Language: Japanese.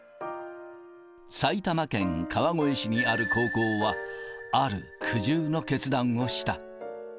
埼玉県川越市にある高校は、ある苦渋の決断をした。